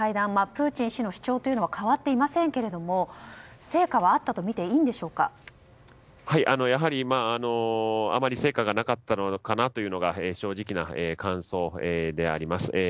プーチン氏の主張は変わっていませんが成果があったとみてやはり今、あまり成果がなかったのかなというのが正直な感想です。